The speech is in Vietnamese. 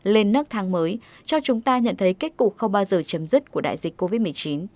lên nác thang mới cho chúng ta nhận thấy kết cục không bao giờ chấm dứt của đại dịch covid một mươi chín